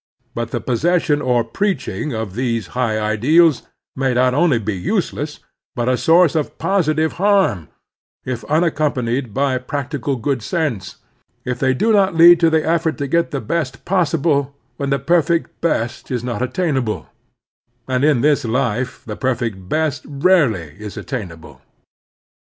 But the pos session or preaching of these high ideals may not only be useless, but a source of positive harm, if unaccompanied by practical good sense, if they do not lead to the effort to get the best possible when the perfect best is not attainable — ^and in this life the perfect best rarely is attainable.